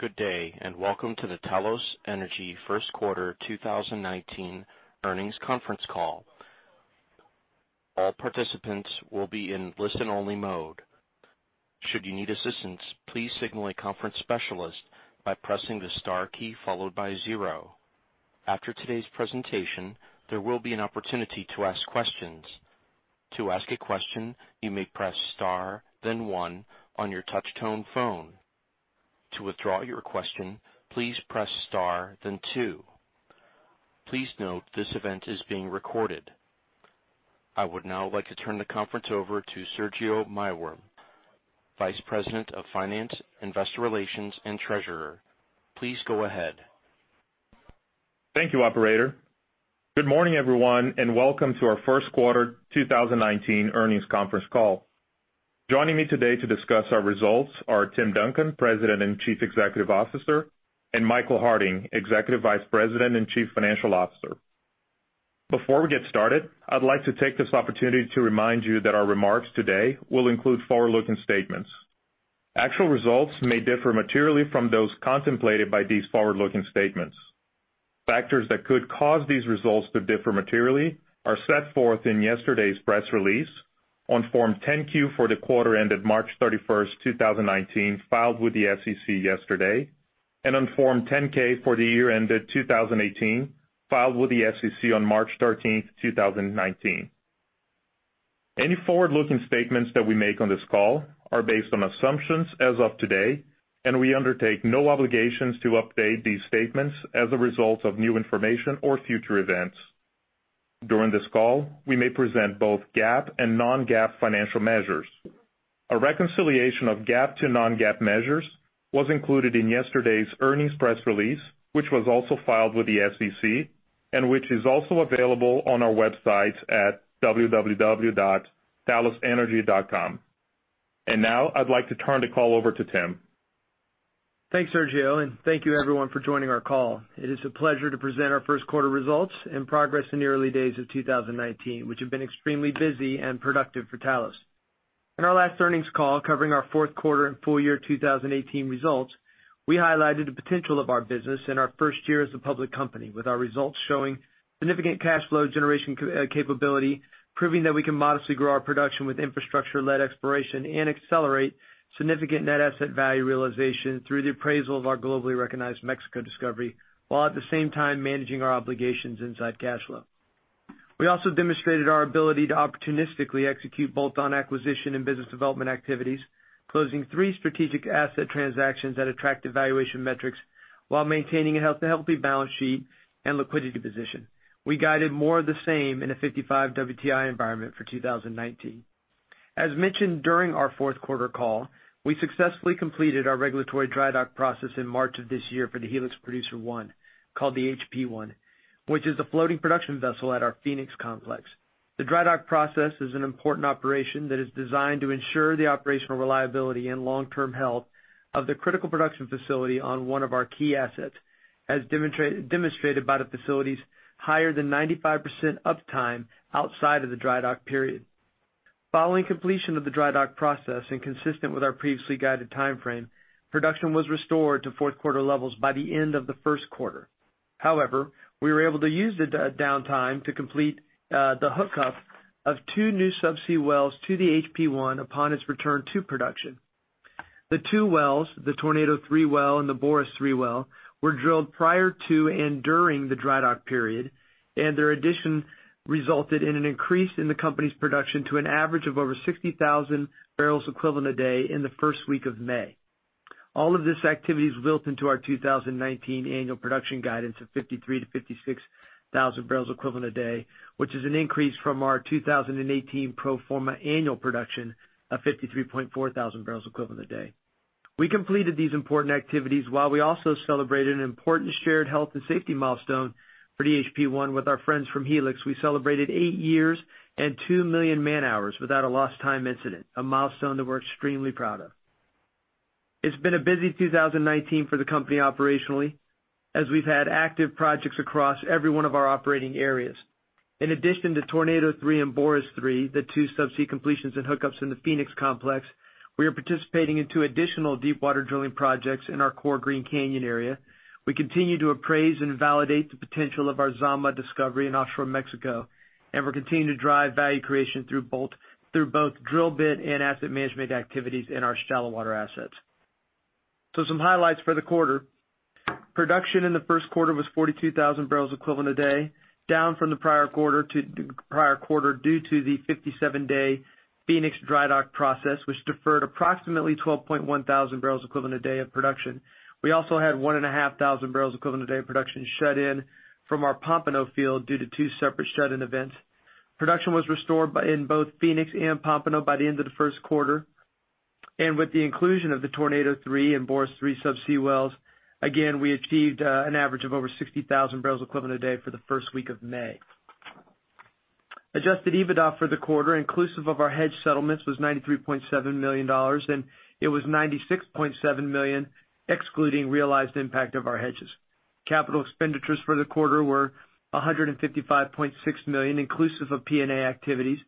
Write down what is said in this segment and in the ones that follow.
Good day, welcome to the Talos Energy first quarter 2019 earnings conference call. All participants will be in listen-only mode. Should you need assistance, please signal a conference specialist by pressing the star key followed by 0. After today's presentation, there will be an opportunity to ask questions. To ask a question, you may press star then 1 on your touch-tone phone. To withdraw your question, please press star then 2. Please note this event is being recorded. I would now like to turn the conference over to Sergio Maiworm, Vice President, Finance, Investor Relations, and Treasurer. Please go ahead. Thank you, operator. Good morning, everyone, welcome to our first quarter 2019 earnings conference call. Joining me today to discuss our results are Tim Duncan, President and Chief Executive Officer, and Michael Harding, Executive Vice President and Chief Financial Officer. Before we get started, I'd like to take this opportunity to remind you that our remarks today will include forward-looking statements. Actual results may differ materially from those contemplated by these forward-looking statements. Factors that could cause these results to differ materially are set forth in yesterday's press release on Form 10-Q for the quarter ended March 31st, 2019, filed with the SEC yesterday, and on Form 10-K for the year ended 2018, filed with the SEC on March 13th, 2019. Any forward-looking statements that we make on this call are based on assumptions as of today, we undertake no obligations to update these statements as a result of new information or future events. During this call, we may present both GAAP and non-GAAP financial measures. A reconciliation of GAAP to non-GAAP measures was included in yesterday's earnings press release, which was also filed with the SEC and which is also available on our website at www.talosenergy.com. Now I'd like to turn the call over to Tim. Thanks, Sergio, thank you everyone for joining our call. It is a pleasure to present our first quarter results and progress in the early days of 2019, which have been extremely busy and productive for Talos. In our last earnings call covering our fourth quarter and full year 2018 results, we highlighted the potential of our business in our first year as a public company with our results showing significant cash flow generation capability, proving that we can modestly grow our production with infrastructure-led exploration and accelerate significant net asset value realization through the appraisal of our globally recognized Mexico discovery, while at the same time managing our obligations inside cash flow. We also demonstrated our ability to opportunistically execute both on acquisition and business development activities, closing three strategic asset transactions that attract evaluation metrics while maintaining a healthy balance sheet and liquidity position. We guided more of the same in a 55 WTI environment for 2019. As mentioned during our fourth quarter call, we successfully completed our regulatory dry dock process in March of this year for the Helix Producer I, called the HP-I, which is a floating production vessel at our Phoenix Complex. The dry dock process is an important operation that is designed to ensure the operational reliability and long-term health of the critical production facility on one of our key assets, as demonstrated by the facility's higher than 95% uptime outside of the dry dock period. Following completion of the dry dock process, consistent with our previously guided timeframe, production was restored to fourth quarter levels by the end of the first quarter. We were able to use the downtime to complete the hookup of two new subsea wells to the HP-I upon its return to production. The two wells, the Tornado-3 well and the Boris-3 well, were drilled prior to and during the dry dock period, and their addition resulted in an increase in the company's production to an average of over 60,000 barrels equivalent a day in the first week of May. All of this activity is built into our 2019 annual production guidance of 53 to 56,000 barrels equivalent a day, which is an increase from our 2018 pro forma annual production of 53.4 thousand barrels equivalent a day. We completed these important activities while we also celebrated an important shared health and safety milestone for the HP-I with our friends from Helix. We celebrated eight years and 2 million man-hours without a lost time incident, a milestone that we're extremely proud of. It's been a busy 2019 for the company operationally, as we've had active projects across every one of our operating areas. In addition to Tornado-3 and Boris-3, the two subsea completions and hookups in the Phoenix Complex, we are participating in two additional deepwater drilling projects in our core Green Canyon area. We continue to appraise and validate the potential of our Zama discovery in offshore Mexico, and we're continuing to drive value creation through both drill bit and asset management activities in our shallow water assets. Some highlights for the quarter. Production in the first quarter was 42,000 barrels equivalent a day, down from the prior quarter due to the 57-day Phoenix dry dock process, which deferred approximately 12.1 thousand barrels equivalent a day of production. We also had one and a half thousand barrels equivalent a day of production shut in from our Pompano field due to two separate shut-in events. Production was restored in both Phoenix and Pompano by the end of the first quarter. With the inclusion of the Tornado-3 and Boris-3 subsea wells, again, we achieved an average of over 60,000 barrels equivalent a day for the first week of May. Adjusted EBITDA for the quarter inclusive of our hedge settlements was $93.7 million, and it was $96.7 million excluding realized impact of our hedges. Capital expenditures for the quarter were $155.6 million, inclusive of P&A activities,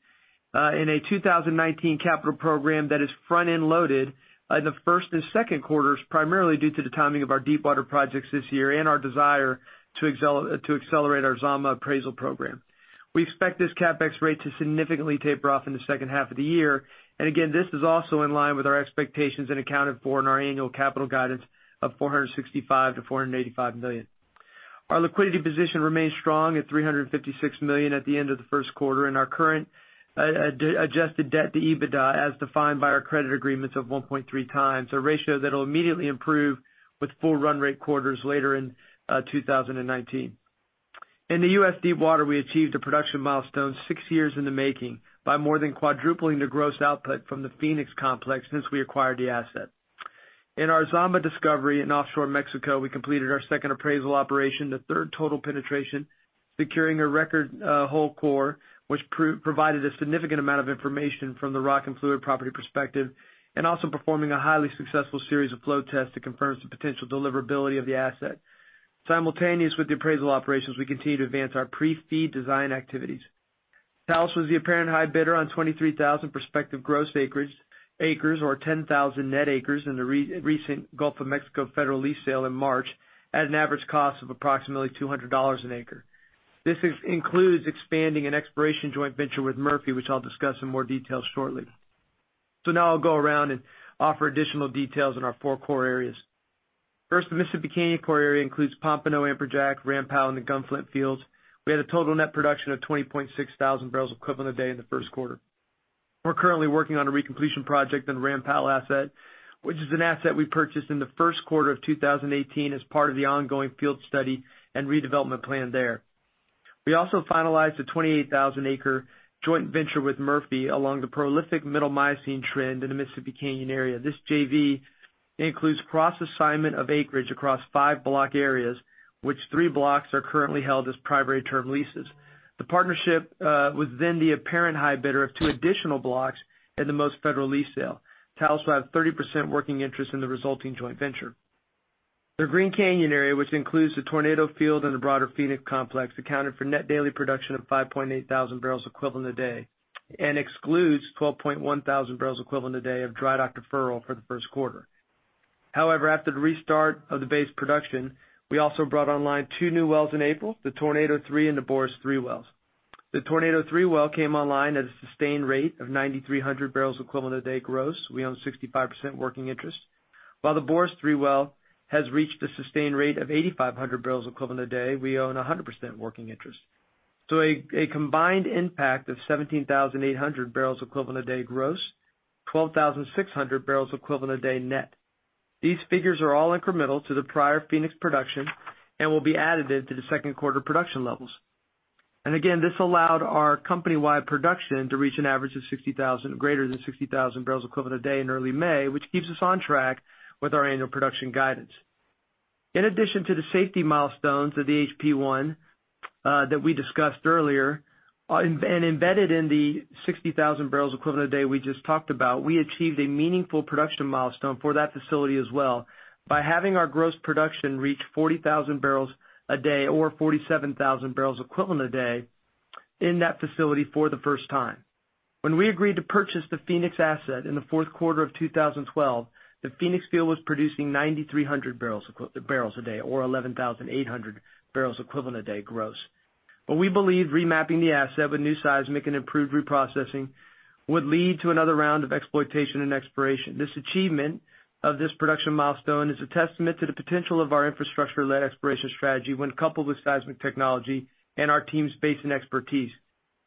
in a 2019 capital program that is front-end loaded in the first and second quarters primarily due to the timing of our deepwater projects this year and our desire to accelerate our Zama appraisal program. We expect this CapEx rate to significantly taper off in the second half of the year. Again, this is also in line with our expectations and accounted for in our annual capital guidance of $465 million-$485 million. Our liquidity position remains strong at $356 million at the end of the first quarter, and our current adjusted debt to EBITDA, as defined by our credit agreements of 1.3 times, a ratio that'll immediately improve with full run rate quarters later in 2019. In the U.S. deepwater, we achieved a production milestone six years in the making by more than quadrupling the gross output from the Phoenix Complex since we acquired the asset. In our Zama discovery in offshore Mexico, we completed our second appraisal operation, the third total penetration, securing a record whole core, which provided a significant amount of information from the rock and fluid property perspective, and also performing a highly successful series of flow tests that confirms the potential deliverability of the asset. Simultaneous with the appraisal operations, we continue to advance our pre-FEED design activities. Talos was the apparent high bidder on 23,000 prospective gross acres or 10,000 net acres in the recent Gulf of Mexico federal lease sale in March at an average cost of approximately $200 an acre. This includes expanding an exploration joint venture with Murphy, which I'll discuss in more detail shortly. Now I'll go around and offer additional details in our four core areas. First, the Mississippi Canyon core area includes Pompano, Amberjack, Ram Powell, and the Gunflint fields. We had a total net production of 20.6 thousand barrels equivalent a day in the first quarter. We're currently working on a recompletion project in the Ram Powell asset, which is an asset we purchased in the first quarter of 2018 as part of the ongoing field study and redevelopment plan there. We also finalized a 28,000-acre joint venture with Murphy along the prolific Middle Miocene trend in the Mississippi Canyon area. This JV includes cross assignment of acreage across five block areas, which three blocks are currently held as primary term leases. The partnership was the apparent high bidder of two additional blocks in the most federal lease sale. Talos will have 30% working interest in the resulting joint venture. The Green Canyon area, which includes the Tornado field and the broader Phoenix Complex, accounted for net daily production of 5.8 thousand barrels equivalent a day and excludes 12.1 thousand barrels equivalent a day of dry dock deferral for the first quarter. However, after the restart of the base production, we also brought online two new wells in April, the Tornado-3 and the Boris-3 wells. The Tornado-3 well came online at a sustained rate of 9,300 barrels equivalent a day gross. We own 65% working interest. While the Boris-3 well has reached a sustained rate of 8,500 barrels equivalent a day, we own 100% working interest. A combined impact of 17,800 barrels equivalent a day gross, 12,600 barrels equivalent a day net. Again, this allowed our company-wide production to reach an average of greater than 60,000 barrels equivalent a day in early May, which keeps us on track with our annual production guidance. In addition to the safety milestones of the HP-I that we discussed earlier, and embedded in the 60,000 barrels equivalent a day we just talked about, we achieved a meaningful production milestone for that facility as well by having our gross production reach 40,000 barrels a day or 47,000 barrels equivalent a day in that facility for the first time. When we agreed to purchase the Phoenix asset in the fourth quarter of 2012, the Phoenix field was producing 9,300 barrels a day or 11,800 barrels equivalent a day gross. We believe remapping the asset with new seismic and improved reprocessing would lead to another round of exploitation and exploration. This achievement of this production milestone is a testament to the potential of our infrastructure-led exploration strategy when coupled with seismic technology and our team's basin expertise.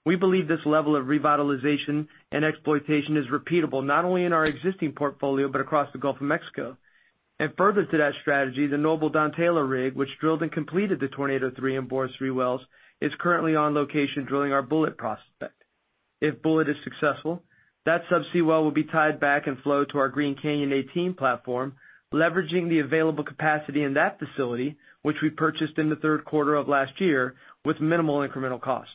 We believe this level of revitalization and exploitation is repeatable not only in our existing portfolio, but across the Gulf of Mexico. Further to that strategy, the Noble Don Taylor rig, which drilled and completed the Tornado 3 and Boris 3 wells, is currently on location drilling our Bullet prospect. If Bullet is successful, that subsea well will be tied back and flow to our Green Canyon 18 platform, leveraging the available capacity in that facility, which we purchased in the third quarter of last year with minimal incremental cost.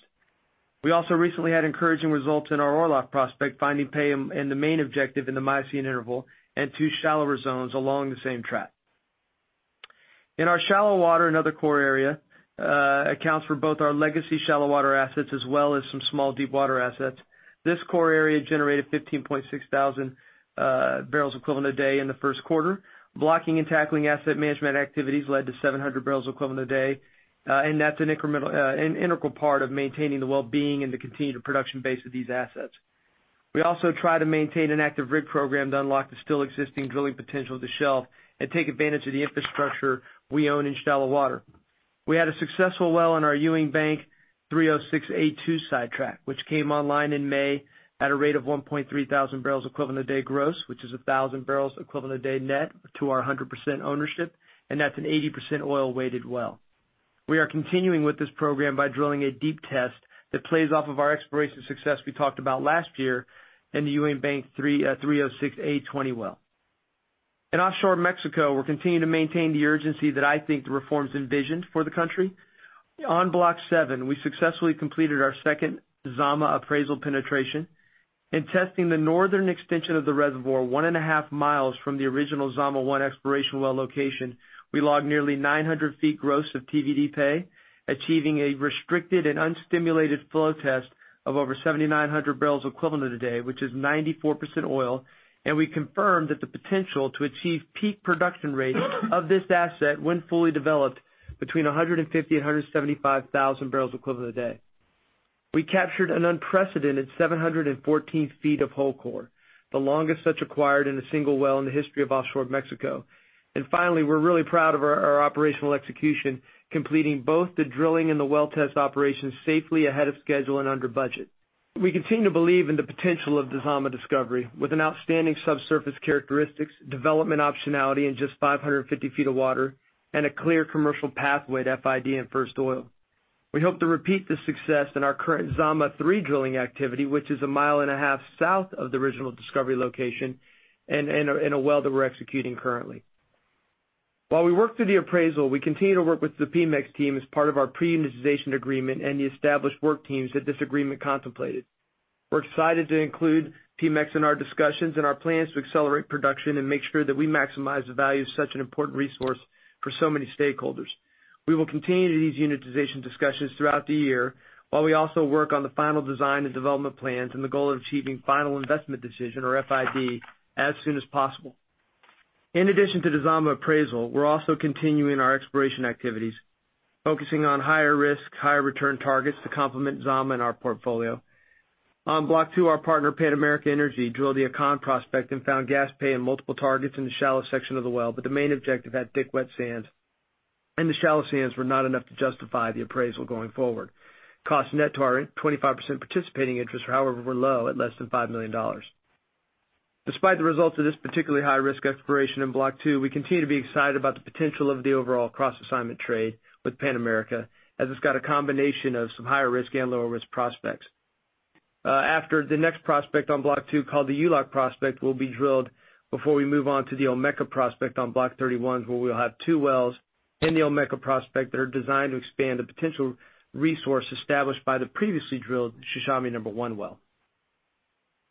We also recently had encouraging results in our Orlov prospect, finding pay in the main objective in the Miocene interval and two shallower zones along the same track. In our shallow water, another core area, accounts for both our legacy shallow water assets as well as some small deepwater assets. This core area generated 15.6 thousand barrels equivalent a day in the first quarter. Blocking and tackling asset management activities led to 700 barrels equivalent a day, that's an integral part of maintaining the wellbeing and the continued production base of these assets. We also try to maintain an active rig program to unlock the still existing drilling potential of the shelf and take advantage of the infrastructure we own in shallow water. We had a successful well in our Ewing Bank 306 A2 sidetrack, which came online in May at a rate of 1.3 thousand barrels equivalent a day gross, which is 1,000 barrels equivalent a day net to our 100% ownership, and that's an 80% oil-weighted well. We are continuing with this program by drilling a deep test that plays off of our exploration success we talked about last year in the Ewing Bank 306 A20 well. In offshore Mexico, we're continuing to maintain the urgency that I think the reforms envisioned for the country. On Block 7, we successfully completed our second Zama appraisal penetration. In testing the northern extension of the reservoir, one and a half miles from the original Zama 1 exploration well location, we logged nearly 900 feet gross of TVD pay, achieving a restricted and unstimulated flow test of over 7,900 barrels equivalent a day, which is 94% oil. We confirmed that the potential to achieve peak production rates of this asset when fully developed between 150,000 and 175,000 barrels equivalent a day. We captured an unprecedented 714 feet of whole core, the longest such acquired in a single well in the history of offshore Mexico. Finally, we're really proud of our operational execution, completing both the drilling and the well test operations safely ahead of schedule and under budget. We continue to believe in the potential of the Zama discovery, with an outstanding subsurface characteristics, development optionality in just 550 feet of water, and a clear commercial pathway to FID and first oil. We hope to repeat this success in our current Zama-3 drilling activity, which is a mile and a half south of the original discovery location, and in a well that we are executing currently. While we work through the appraisal, we continue to work with the Pemex team as part of our pre-unitization agreement and the established work teams that this agreement contemplated. We are excited to include Pemex in our discussions and our plans to accelerate production and make sure that we maximize the value of such an important resource for so many stakeholders. We will continue these unitization discussions throughout the year while we also work on the final design and development plans and the goal of achieving final investment decision or FID as soon as possible. In addition to the Zama appraisal, we are also continuing our exploration activities, focusing on higher risk, higher return targets to complement Zama in our portfolio. On Block two, our partner, Pan American Energy, drilled the Acan prospect and found gas pay in multiple targets in the shallow section of the well, the main objective at thick wet sands in the shallow sands were not enough to justify the appraisal going forward. Cost net to our 25% participating interest, however, were low at less than $5 million. Despite the results of this particularly high-risk exploration in Block two, we continue to be excited about the potential of the overall cross-assignment trade with Pan American, as it has got a combination of some higher risk and lower risk prospects. After the next prospect on Block two, called the Yaluk prospect, will be drilled before we move on to the Olmeca prospect on Block 31, where we will have two wells in the Olmeca prospect that are designed to expand the potential resource established by the previously drilled Xaxamani number one well.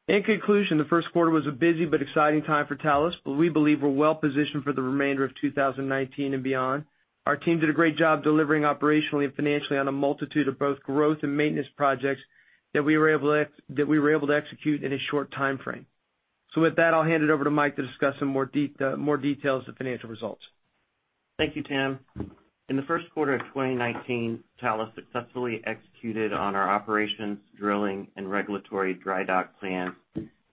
The first quarter was a busy but exciting time for Talos, we believe we are well positioned for the remainder of 2019 and beyond. Our team did a great job delivering operationally and financially on a multitude of both growth and maintenance projects that we were able to execute in a short timeframe. With that, I will hand it over to Mike to discuss some more details of financial results. Thank you, Tim. In the first quarter of 2019, Talos successfully executed on our operations, drilling, and regulatory dry dock plan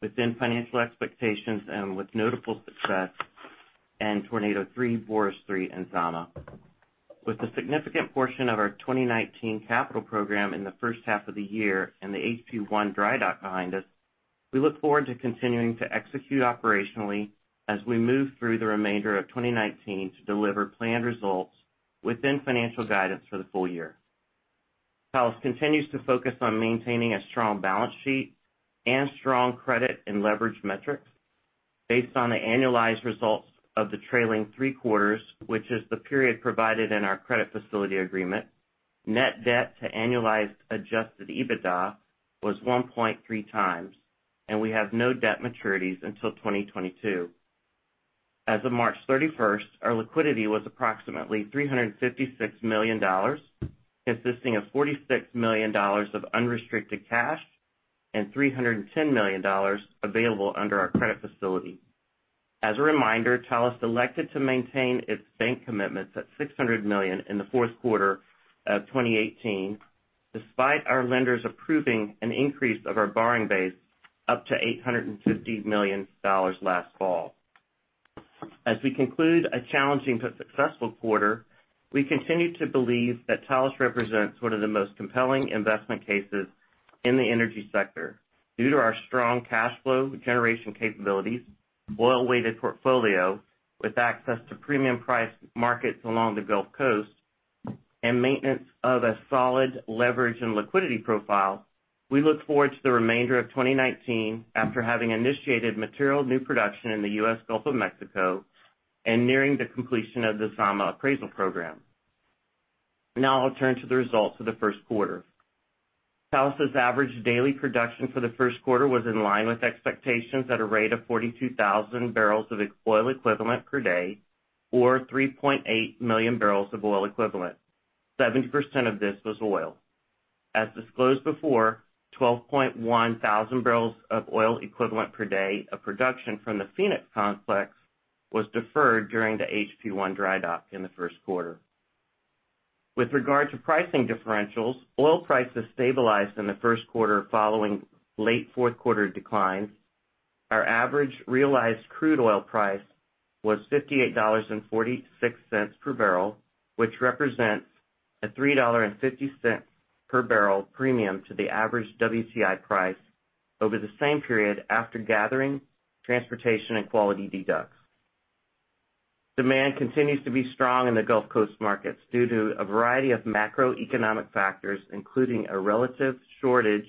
within financial expectations and with notable success in Tornado-3, Boris-3, and Zama. With a significant portion of our 2019 capital program in the first half of the year and the HP-I dry dock behind us, we look forward to continuing to execute operationally as we move through the remainder of 2019 to deliver planned results within financial guidance for the full year. Talos continues to focus on maintaining a strong balance sheet and strong credit and leverage metrics based on the annualized results of the trailing three quarters, which is the period provided in our credit facility agreement. Net debt to annualized adjusted EBITDA was 1.3 times. We have no debt maturities until 2022. As of March 31st, our liquidity was approximately $356 million, consisting of $46 million of unrestricted cash and $310 million available under our credit facility. As a reminder, Talos elected to maintain its bank commitments at $600 million in the fourth quarter of 2018, despite our lenders approving an increase of our borrowing base up to $850 million last fall. As we conclude a challenging but successful quarter, we continue to believe that Talos represents one of the most compelling investment cases in the energy sector due to our strong cash flow generation capabilities, oil-weighted portfolio with access to premium price markets along the Gulf Coast, and maintenance of a solid leverage and liquidity profile. We look forward to the remainder of 2019 after having initiated material new production in the U.S. Gulf of Mexico and nearing the completion of the Zama appraisal program. Now I'll turn to the results of the first quarter. Talos's average daily production for the first quarter was in line with expectations at a rate of 42,000 barrels of oil equivalent per day, or 3.8 million barrels of oil equivalent. 70% of this was oil. As disclosed before, 12,100 barrels of oil equivalent per day of production from the Phoenix Complex was deferred during the HP-I dry dock in the first quarter. With regard to pricing differentials, oil prices stabilized in the first quarter following late fourth quarter declines. Our average realized crude oil price was $58.46 per barrel, which represents a $3.50 per barrel premium to the average WTI price over the same period after gathering, transportation, and quality deducts. Demand continues to be strong in the Gulf Coast markets due to a variety of macroeconomic factors, including a relative shortage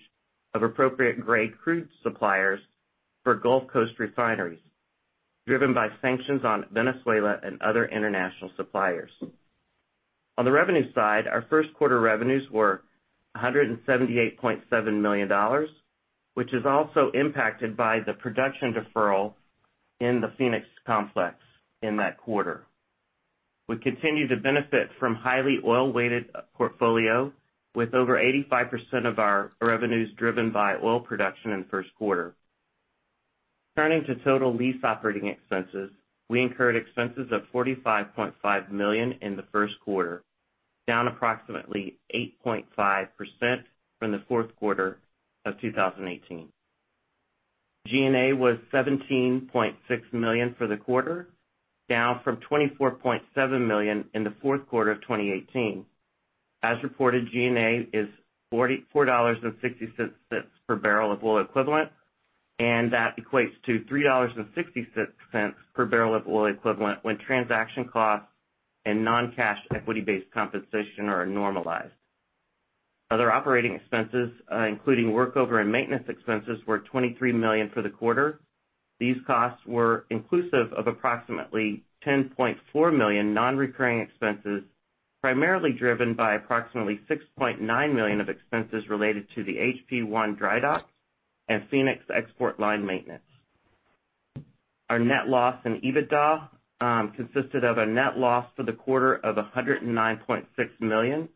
of appropriate gray crude suppliers for Gulf Coast refineries. Driven by sanctions on Venezuela and other international suppliers. On the revenue side, our first quarter revenues were $178.7 million, which is also impacted by the production deferral in the Phoenix Complex in that quarter. We continue to benefit from highly oil-weighted portfolio, with over 85% of our revenues driven by oil production in the first quarter. Turning to total lease operating expenses. We incurred expenses of $45.5 million in the first quarter, down approximately 8.5% from the fourth quarter of 2018. G&A was $17.6 million for the quarter, down from $24.7 million in the fourth quarter of 2018. As reported, G&A is $44.60 per barrel of oil equivalent, that equates to $3.60 per barrel of oil equivalent when transaction costs and non-cash equity-based compensation are normalized. Other operating expenses, including workover and maintenance expenses, were $23 million for the quarter. These costs were inclusive of approximately $10.4 million non-recurring expenses, primarily driven by approximately $6.9 million of expenses related to the HP-I dry dock and Phoenix export line maintenance. Our net loss in EBITDA consisted of a net loss for the quarter of $109.6 million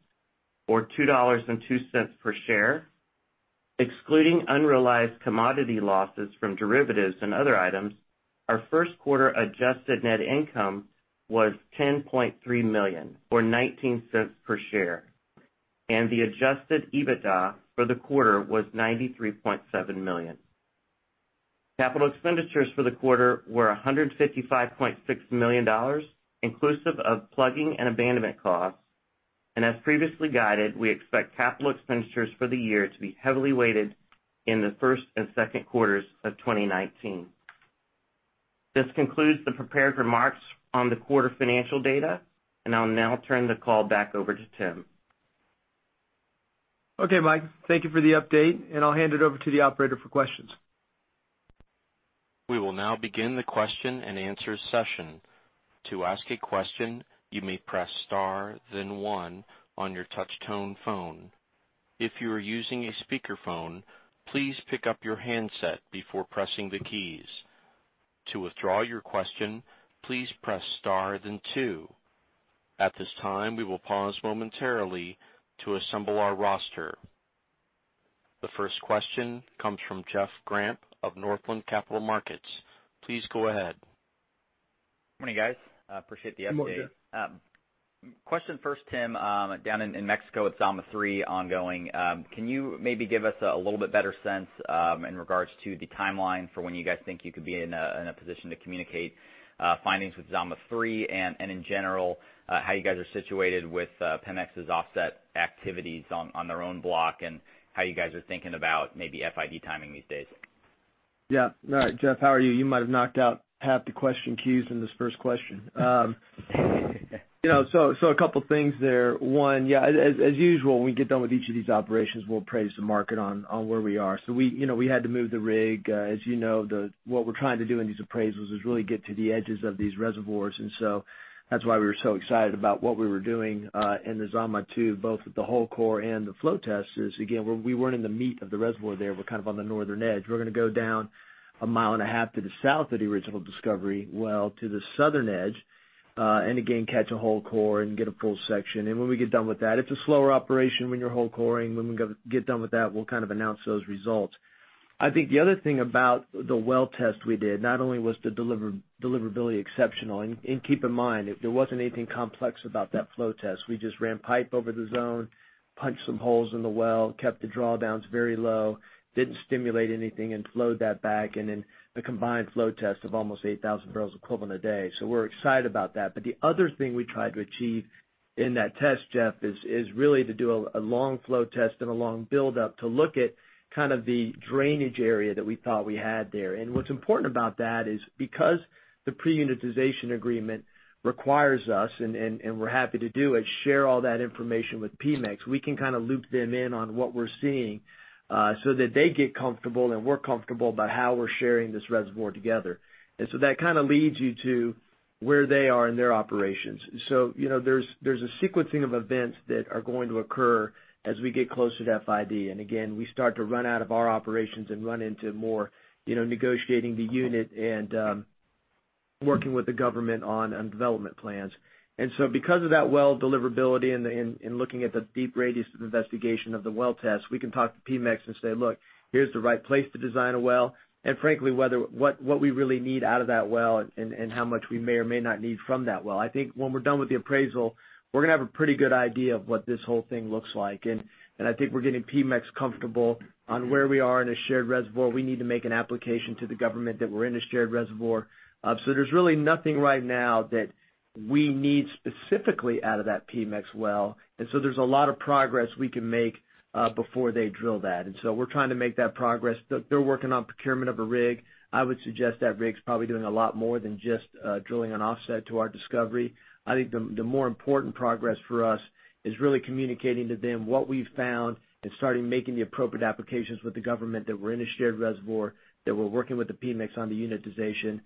or $2.02 per share. Excluding unrealized commodity losses from derivatives and other items, our first quarter adjusted net income was $10.3 million or $0.19 per share, and the adjusted EBITDA for the quarter was $93.7 million. Capital expenditures for the quarter were $155.6 million, inclusive of plugging and abandonment costs. As previously guided, we expect capital expenditures for the year to be heavily weighted in the first and second quarters of 2019. This concludes the prepared remarks on the quarter financial data, I'll now turn the call back over to Tim. Okay, Mike, thank you for the update, I'll hand it over to the operator for questions. We will now begin the question and answer session. To ask a question, you may press star then one on your touch tone phone. If you are using a speakerphone, please pick up your handset before pressing the keys. To withdraw your question, please press star then two. At this time, we will pause momentarily to assemble our roster. The first question comes from Jeff Grampp of Northland Capital Markets. Please go ahead. Morning, guys. Appreciate the update. Good morning, Jeff. Question first, Tim. Down in Mexico with Zama-3 ongoing, can you maybe give us a little bit better sense in regards to the timeline for when you guys think you could be in a position to communicate findings with Zama-3? In general, how you guys are situated with Pemex's offset activities on their own block and how you guys are thinking about maybe FID timing these days? Yeah. All right. Jeff, how are you? You might have knocked out half the question queues in this first question. A couple of things there. One, yeah, as usual, when we get done with each of these operations, we'll appraise the market on where we are. We had to move the rig. As you know, what we're trying to do in these appraisals is really get to the edges of these reservoirs. That's why we were so excited about what we were doing in the Zama-2, both with the whole core and the flow test is, again, we weren't in the meat of the reservoir there. We're kind of on the northern edge. We're going to go down a mile and a half to the south of the original discovery well to the southern edge, and again, catch a whole core and get a full section. When we get done with that, it's a slower operation when you're whole coring. When we get done with that, we'll announce those results. I think the other thing about the well test we did, not only was the deliverability exceptional, and keep in mind, there wasn't anything complex about that flow test. We just ran pipe over the zone, punched some holes in the well, kept the drawdowns very low, didn't stimulate anything, and flowed that back, then the combined flow test of almost 8,000 barrels equivalent a day. We're excited about that. The other thing we tried to achieve in that test, Jeff, is really to do a long flow test and a long build up to look at the drainage area that we thought we had there. What's important about that is because the pre-unitization agreement requires us, and we're happy to do it, share all that information with Pemex. We can loop them in on what we're seeing, so that they get comfortable, and we're comfortable about how we're sharing this reservoir together. That leads you to where they are in their operations. There's a sequencing of events that are going to occur as we get closer to FID. Again, we start to run out of our operations and run into more negotiating the unit and working with the government on development plans. Because of that well deliverability and looking at the deep radius of investigation of the well test, we can talk to Pemex and say, "Look, here's the right place to design a well." Frankly, what we really need out of that well and how much we may or may not need from that well. I think when we're done with the appraisal, we're going to have a pretty good idea of what this whole thing looks like. I think we're getting Pemex comfortable on where we are in a shared reservoir. We need to make an application to the government that we're in a shared reservoir. There's really nothing right now that we need specifically out of that Pemex well, there's a lot of progress we can make before they drill that. We're trying to make that progress. They're working on procurement of a rig. I would suggest that rig's probably doing a lot more than just drilling an offset to our discovery. I think the more important progress for us is really communicating to them what we've found and starting making the appropriate applications with the government that we're in a shared reservoir, that we're working with the Pemex on the unitization.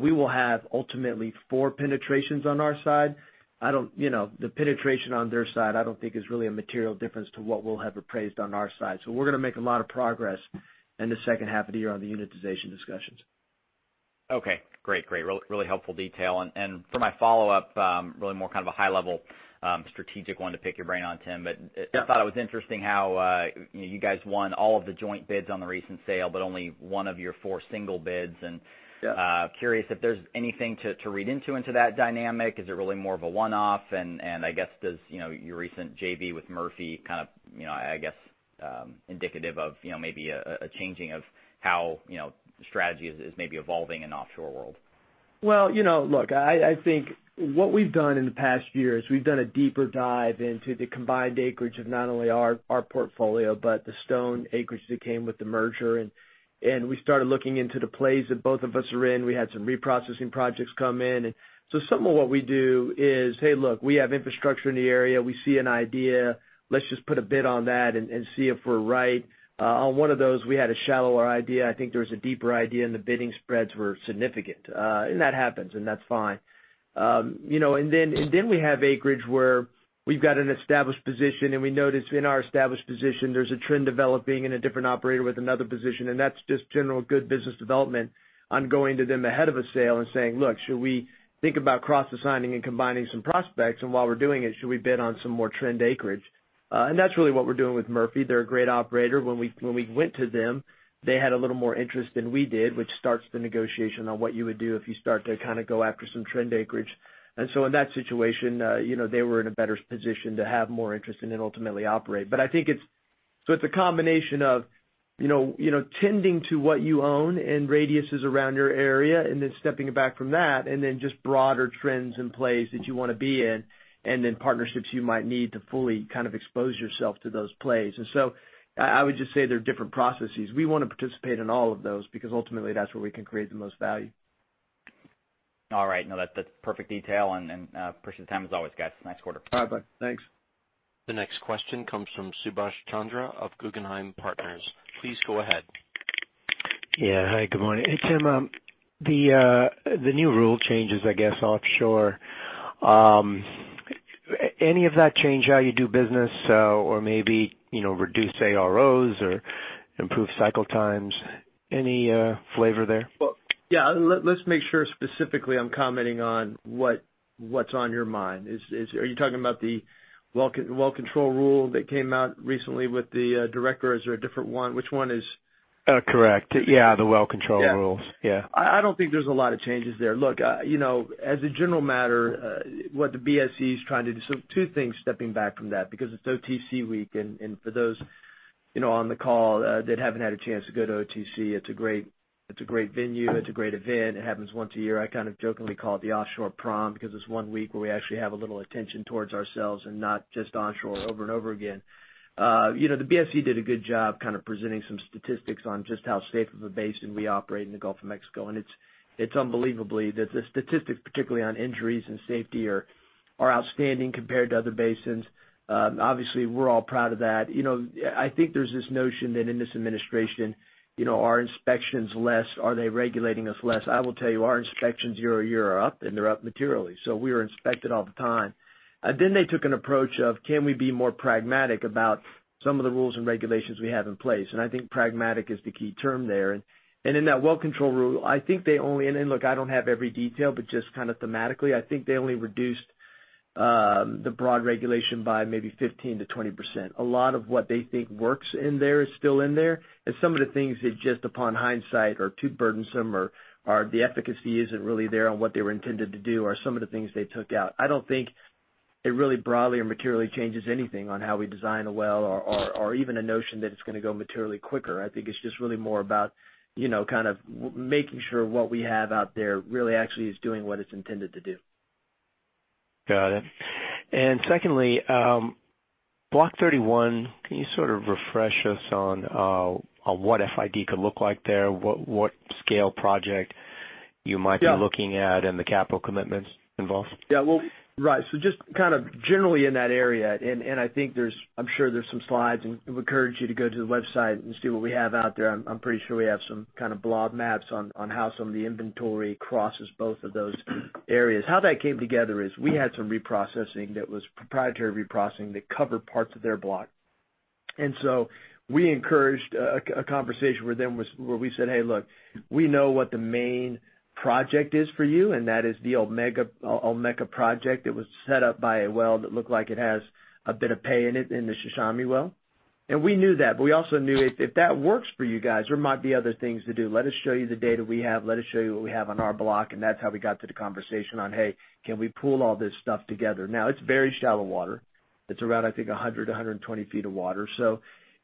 We will have ultimately four penetrations on our side. The penetration on their side, I don't think is really a material difference to what we'll have appraised on our side. We're going to make a lot of progress in the second half of the year on the unitization discussions. Okay, great. Really helpful detail. For my follow-up, really more kind of a high-level strategic one to pick your brain on, Tim. Yeah. I thought it was interesting how you guys won all of the joint bids on the recent sale, but only one of your four single bids. Yeah. Curious if there's anything to read into that dynamic. Is it really more of a one-off? I guess, does your recent JV with Murphy kind of indicative of maybe a changing of how strategy is maybe evolving in the offshore world? Well, look, I think what we've done in the past year is we've done a deeper dive into the combined acreage of not only our portfolio, but the Stone acreage that came with the merger. We started looking into the plays that both of us are in. We had some reprocessing projects come in. So some of what we do is, hey, look, we have infrastructure in the area. We see an idea, let's just put a bid on that and see if we're right. On one of those, we had a shallower idea. I think there was a deeper idea, and the bidding spreads were significant. That happens, and that's fine. Then we have acreage where we've got an established position, and we notice in our established position, there's a trend developing in a different operator with another position. That's just general good business development on going to them ahead of a sale and saying, "Look, should we think about cross-assigning and combining some prospects? While we're doing it, should we bid on some more trend acreage?" That's really what we're doing with Murphy. They're a great operator. When we went to them, they had a little more interest than we did, which starts the negotiation on what you would do if you start to kind of go after some trend acreage. In that situation, they were in a better position to have more interest and then ultimately operate. It's a combination of tending to what you own and radiuses around your area, then stepping back from that, then just broader trends in plays that you want to be in, then partnerships you might need to fully kind of expose yourself to those plays. I would just say they're different processes. We want to participate in all of those because ultimately that's where we can create the most value. All right. No, that's perfect detail. Appreciate the time as always, guys. Nice quarter. Bye, bud. Thanks. The next question comes from Subash Chandra of Guggenheim Partners. Please go ahead. Yeah. Hi, good morning. Hey, Tim, the new rule changes, I guess, offshore. Any of that change how you do business or maybe reduce AROs or improve cycle times? Any flavor there? Well, yeah. Let's make sure specifically I'm commenting on what's on your mind. Are you talking about the well control rule that came out recently with the director, or is there a different one? Which one is? Correct. Yeah, the well control rules. Yeah. Yeah. I don't think there's a lot of changes there. Look, as a general matter, what the BSEE is trying to do. Two things stepping back from that, because it's OTC week, and for those on the call that haven't had a chance to go to OTC, it's a great venue. It's a great event. It happens once a year. I kind of jokingly call it the offshore prom because it's one week where we actually have a little attention towards ourselves and not just onshore over and over again. The BSEE did a good job kind of presenting some statistics on just how safe of a basin we operate in the Gulf of Mexico. It's unbelievable that the statistics, particularly on injuries and safety, are outstanding compared to other basins. Obviously, we're all proud of that. I think there's this notion that in this administration, are inspections less? Are they regulating us less? I will tell you, our inspections year-over-year are up, and they're up materially. We are inspected all the time. They took an approach of, can we be more pragmatic about some of the rules and regulations we have in place? I think pragmatic is the key term there. In that well control rule, I think they only, look, I don't have every detail, but just kind of thematically, I think they only reduced the broad regulation by maybe 15%-20%. A lot of what they think works in there is still in there. Some of the things that just upon hindsight are too burdensome or the efficacy isn't really there on what they were intended to do are some of the things they took out. I don't think it really broadly or materially changes anything on how we design a well or even a notion that it's going to go materially quicker. I think it's just really more about kind of making sure what we have out there really actually is doing what it's intended to do. Got it. Secondly, Block 31, can you sort of refresh us on what FID could look like there? What scale project you might be looking at and the capital commitments involved? Well, right. Just kind of generally in that area, I'm sure there are some slides, and we would encourage you to go to the website and see what we have out there. I'm pretty sure we have some kind of blob maps on how some of the inventory crosses both of those areas. How that came together is we had some reprocessing that was proprietary reprocessing that covered parts of their block. We encouraged a conversation with them where we said, "Hey, look, we know what the main project is for you," and that is the Olmeca project that was set up by a well that looked like it has a bit of pay in it in the Xaxamani well. We knew that, but we also knew if that works for you guys, there might be other things to do. Let us show you the data we have, let us show you what we have on our block, and that's how we got to the conversation on, hey, can we pool all this stuff together? It's very shallow water. It's around, I think, 100-120 feet of water.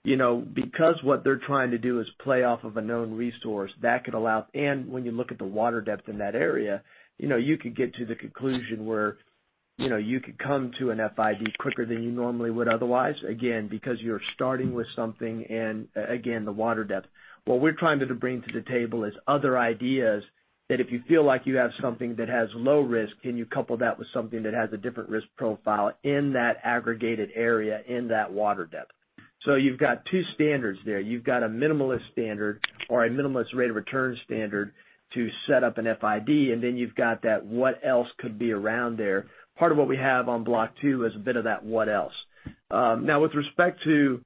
Because what they're trying to do is play off of a known resource that could allow. When you look at the water depth in that area, you could get to the conclusion where you could come to an FID quicker than you normally would otherwise, again, because you're starting with something and again, the water depth. What we're trying to bring to the table is other ideas that if you feel like you have something that has low risk, can you couple that with something that has a different risk profile in that aggregated area, in that water depth? You've got two standards there. You've got a minimalist standard or a minimalist rate of return standard to set up an FID, and then you've got that what else could be around there. Part of what we have on Block 2 is a bit of that what else. With respect to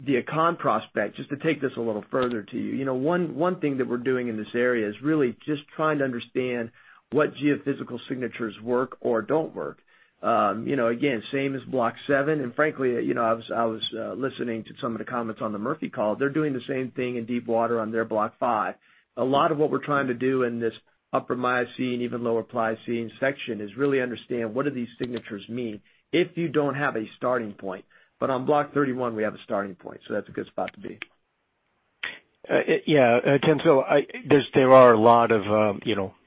the Acan prospect, just to take this a little further to you. One thing that we're doing in this area is really just trying to understand what geophysical signatures work or don't work. Again, same as Block 7, and frankly, I was listening to some of the comments on the Murphy call. They're doing the same thing in deepwater on their Block 5. A lot of what we're trying to do in this upper Miocene, even lower Pliocene section, is really understand what do these signatures mean if you don't have a starting point. On Block 31, we have a starting point, so that's a good spot to be. Yeah. Tim, there are a lot of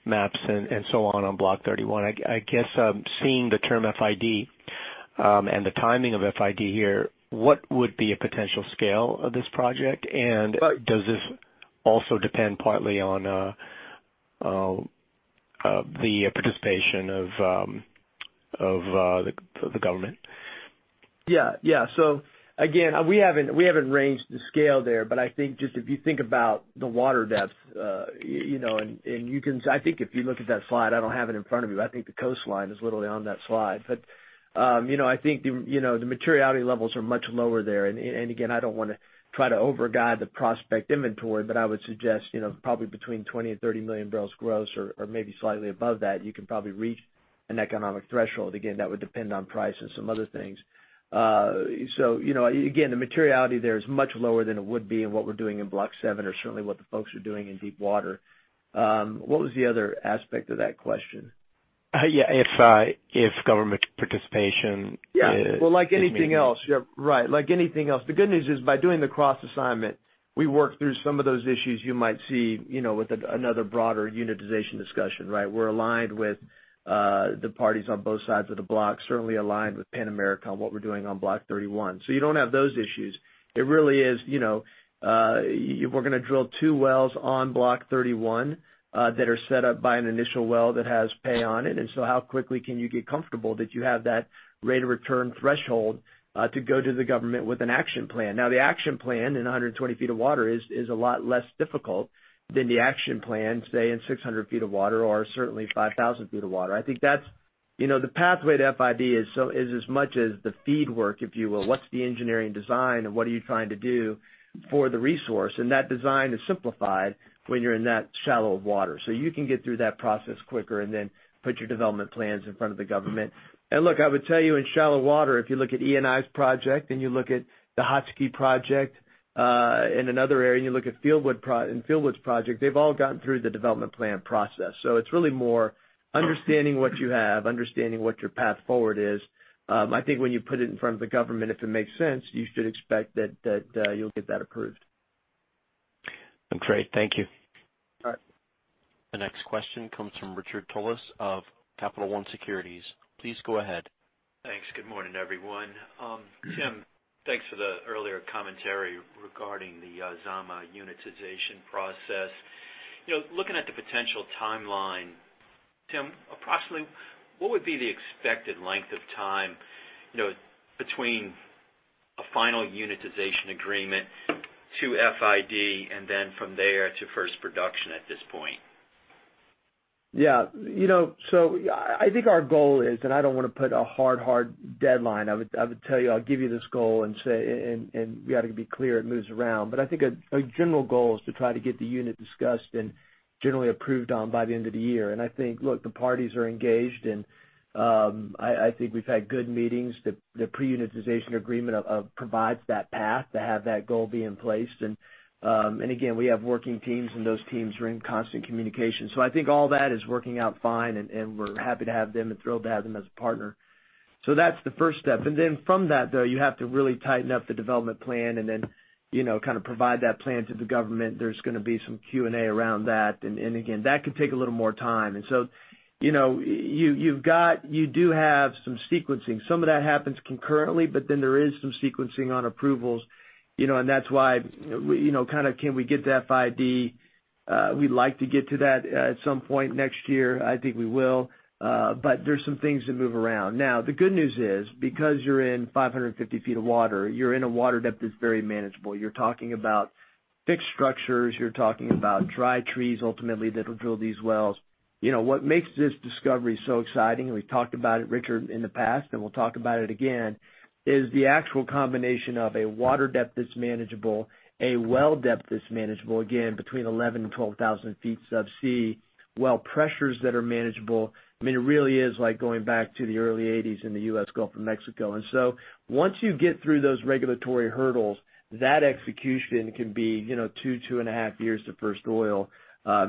maps and so on on Block 31. I guess, seeing the term FID and the timing of FID here, what would be a potential scale of this project? Does this also depend partly on the participation of the government? Yeah. Again, we haven't ranged the scale there, but I think just if you think about the water depth, and I think if you look at that slide, I don't have it in front of me, but I think the coastline is literally on that slide. I think the materiality levels are much lower there, and again, I don't want to try to over-guide the prospect inventory, but I would suggest, probably between 20 million-30 million barrels gross or maybe slightly above that, you can probably reach an economic threshold. Again, that would depend on price and some other things. Again, the materiality there is much lower than it would be in what we're doing in Block 7 or certainly what the folks are doing in deepwater. What was the other aspect of that question? Yeah. If government participation is needed. Yeah. Well, like anything else. Right. Like anything else. The good news is by doing the cross assignment, we work through some of those issues you might see, with another broader unitization discussion, right? We're aligned with the parties on both sides of the block, certainly aligned with Pan American on what we're doing on Block 31. You don't have those issues. It really is, we're going to drill two wells on Block 31 that are set up by an initial well that has pay on it. How quickly can you get comfortable that you have that rate of return threshold to go to the government with an action plan? Now, the action plan in 120 feet of water is a lot less difficult than the action plan, say, in 600 feet of water or certainly 5,000 feet of water. I think the pathway to FID is as much as the feed work, if you will. What's the engineering design and what are you trying to do for the resource? That design is simplified when you're in that shallow of water. You can get through that process quicker and then put your development plans in front of the government. Look, I would tell you in shallow water, if you look at Eni's project and you look at the Hokchi project, in another area, and you look at Fieldwood's project, they've all gotten through the development plan process. It's really more understanding what you have, understanding what your path forward is. I think when you put it in front of the government, if it makes sense, you should expect that you'll get that approved. Great. Thank you. All right. The next question comes from Richard Tullis of Capital One Securities. Please go ahead. Thanks. Good morning, everyone. Tim, thanks for the earlier commentary regarding the Zama unitization process. Looking at the potential timeline, Tim, approximately what would be the expected length of time between a final unitization agreement to FID, and then from there to first production at this point? I think our goal is, and I don't want to put a hard deadline. I would tell you, I'll give you this goal, and we got to be clear it moves around. I think a general goal is to try to get the unit discussed and generally approved on by the end of the year. I think, look, the parties are engaged, and I think we've had good meetings. The pre-unitization agreement provides that path to have that goal be in place. Again, we have working teams, and those teams are in constant communication. I think all that is working out fine, and we're happy to have them and thrilled to have them as a partner. That's the first step. From that, though, you have to really tighten up the development plan and then kind of provide that plan to the government. There's going to be some Q&A around that. Again, that can take a little more time. You do have some sequencing. Some of that happens concurrently, but then there is some sequencing on approvals. That's why, kind of can we get to FID? We'd like to get to that at some point next year. I think we will. There's some things to move around. Now, the good news is, because you're in 550 feet of water, you're in a water depth that's very manageable. You're talking about fixed structures. You're talking about dry trees, ultimately, that'll drill these wells. What makes this discovery so exciting, we've talked about it, Richard, in the past, and we'll talk about it again, is the actual combination of a water depth that's manageable, a well depth that's manageable, again, between 11,000 and 12,000 feet subsea, well pressures that are manageable. I mean, it really is like going back to the early '80s in the U.S. Gulf of Mexico. Once you get through those regulatory hurdles, that execution can be two and a half years to first oil.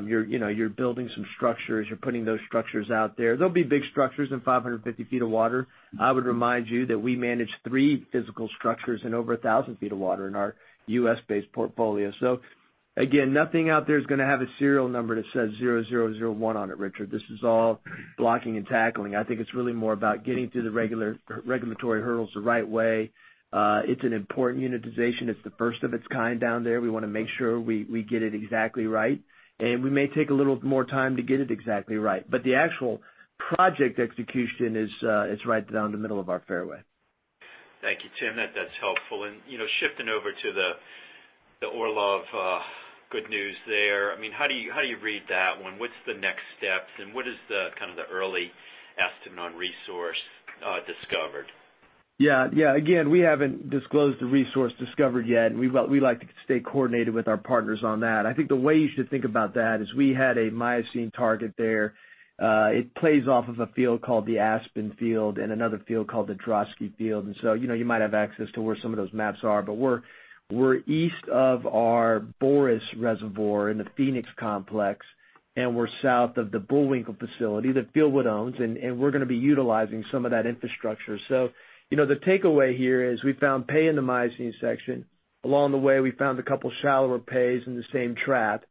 You're building some structures. You're putting those structures out there. They'll be big structures in 550 feet of water. I would remind you that we manage three physical structures in over 1,000 feet of water in our U.S.-based portfolio. Again, nothing out there is going to have a serial number that says 0001 on it, Richard. This is all blocking and tackling. I think it's really more about getting through the regulatory hurdles the right way. It's an important unitization. It's the first of its kind down there. We want to make sure we get it exactly right. We may take a little more time to get it exactly right. The actual project execution is right down the middle of our fairway. Thank you, Tim. That's helpful. Shifting over to The Orlov good news there. How do you read that one? What's the next steps, and what is the early estimate on resource discovered? Yeah. Again, we haven't disclosed the resource discovered yet. We like to stay coordinated with our partners on that. I think the way you should think about that is we had a Miocene target there. It plays off of a field called the Aspen Field and another field called the Troika Field. You might have access to where some of those maps are, but we're east of our Boris Reservoir in the Phoenix Complex. We're south of the Bullwinkle facility that Fieldwood owns. We're going to be utilizing some of that infrastructure. The takeaway here is we found pay in the Miocene section. Along the way, we found a couple shallower pays in the same trap.